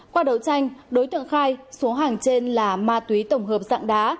qua đấu tranh đối tượng khai số hàng trên là ma túy tổng hợp dạng đá